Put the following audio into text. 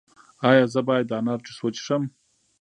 ایا زه باید د انار جوس وڅښم؟